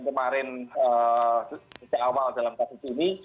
kemarin sejak awal dalam kasus ini